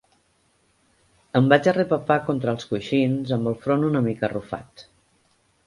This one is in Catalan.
Em vaig arrepapar contra els coixins amb el front una mica arrufat.